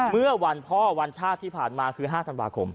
เมื่อวันพ่อวันชาติที่ผ่านมาคือ๕ธันวาคม